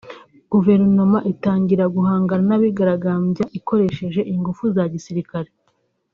guverinoma itangira guhangana n’abigaragambyaga ikoresheje ingufu za gisirikare